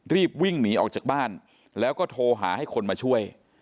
รีบวิ่งหนีออกจากบ้านแล้วก็โทรหาให้คนมาช่วย